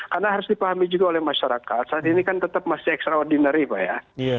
karena harus dipahami juga oleh masyarakat saat ini kan tetap masih extraordinary pak ya